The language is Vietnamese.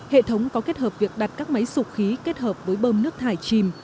hệ thống có kết hợp việc đặt các máy sụp khí kết hợp với bơm nước thải chìm